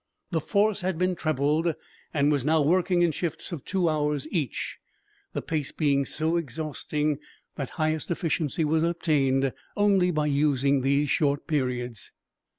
The force had been trebled and was now working in shifts of two hours each, the pace being so exhausting that highest efficiency was obtained by using these short periods.